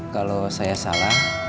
kalau saya salah